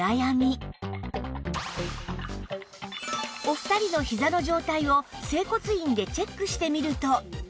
お二人のひざの状態を整骨院でチェックしてみると